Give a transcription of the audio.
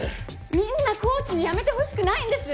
みんなコーチに辞めてほしくないんです！